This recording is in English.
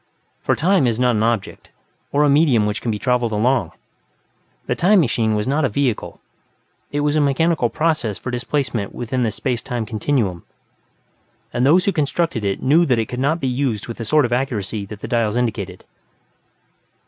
For "Time" is not an object, or a medium which can be travelled along. The "Time Machine" was not a vehicle; it was a mechanical process of displacement within the space time continuum, and those who constructed it knew that it could not be used with the sort of accuracy that the dials indicated.